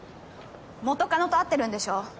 元カノと会ってるんでしょ？